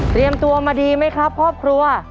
เตรียมตัวมาดีไหมครับครอบครัว